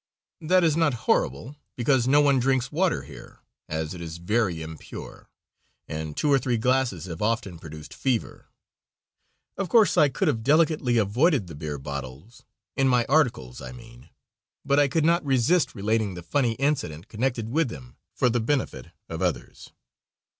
That is not horrible, because no one drinks water here, as it is very impure, and two or three glasses have often produced fever. Of course, I could have delicately avoided the beer bottles (in my articles I mean), but I could not resist relating the funny incident connected with them for the benefit of others.